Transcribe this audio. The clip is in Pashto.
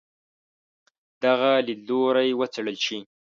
دغه لیدلوری وڅېړل شي.